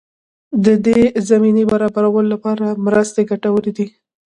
د دې زمینې برابرولو لپاره مرستې ګټورې دي.